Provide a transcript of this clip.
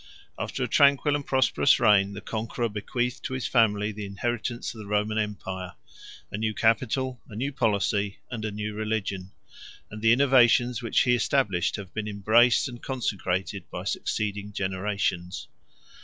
After a tranquil and prosperous reign, the conquerer bequeathed to his family the inheritance of the Roman empire; a new capital, a new policy, and a new religion; and the innovations which he established have been embraced and consecrated by succeeding generations.